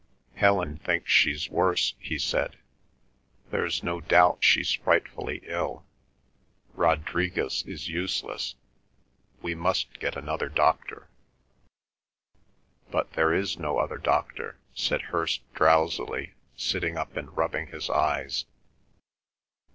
"Helen thinks she's worse," he said. "There's no doubt she's frightfully ill. Rodriguez is useless. We must get another doctor." "But there is no other doctor," said Hirst drowsily, sitting up and rubbing his eyes.